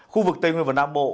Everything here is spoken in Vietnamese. khu vực tây nguyên và nam bộ